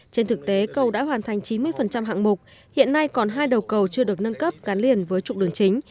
trên thực tế cầu đã hoàn thành chín mươi hạng mục hiện nay còn hai đầu cầu chưa được nâng cấp gắn liền với trục đường chính